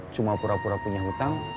cuma pura pura punya hutang